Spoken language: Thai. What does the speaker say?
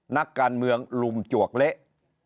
นักการเมืองลุมจวกเละ